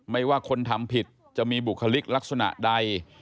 ไม่ว่าคนทำผิดจะมีบุคลิกลักษณะใด